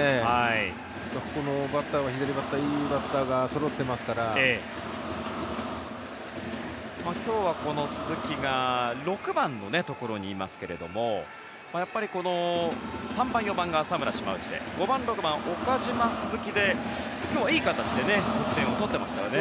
ここのバッターは左バッター、いいバッターがそろっていますから今日は鈴木が６番のところにいますけどこの３番、４番が浅村、島内で５番、６番岡島、鈴木で今日はいい形で得点を取ってますからね。